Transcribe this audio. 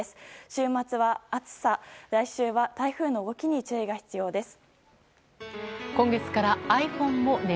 週末は暑さ、来週は台風の動きに注意が必要です。